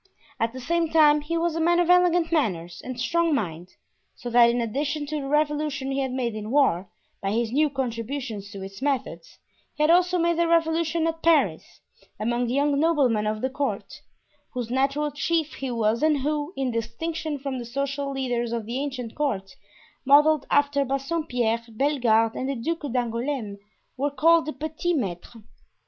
At the same time he was a man of elegant manners and strong mind, so that in addition to the revolution he had made in war, by his new contributions to its methods, he had also made a revolution at Paris, among the young noblemen of the court, whose natural chief he was and who, in distinction from the social leaders of the ancient court, modeled after Bassompierre, Bellegarde and the Duke d'Angouleme, were called the petits maitres.